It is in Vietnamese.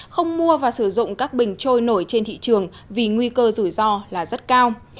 không mua và sử dụng các bình trôi nổi trên thị trường vì nguy cơ rủi ro là rất cao